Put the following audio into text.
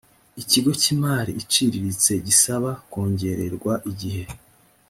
ikigo cy imari iciriritse gisaba kongererwa igihe